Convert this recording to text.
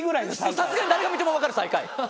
さすがに誰が見ても分かる最下位。